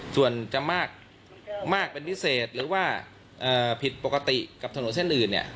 ส่วนจะมากเป็นพิเศษหรือว่าผิดปกติกับถนนเส้นอื่นเนี่ย